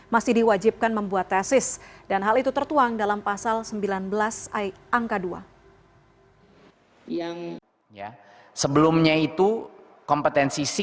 masih diwajibkan membuat skripsi